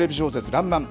らんまん。